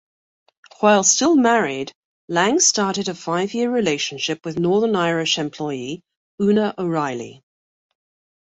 While still married, Lange started a five-year relationship with Northern Irish employee Oonagh O'Reilly.